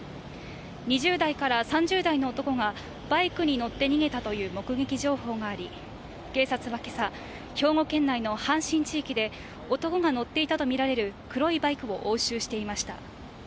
２０代から３０代の男がバイクに乗って逃げたという目撃情報があり、警察は今朝、兵庫県内の阪神地域で男が乗っていたとみられる黒いバイクを押収していました。